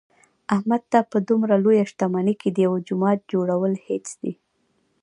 احمد ته په دمره لویه شتمنۍ کې د یوه جومات جوړل هېڅ دي.